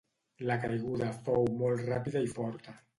La caiguda fou molt ràpida i forta.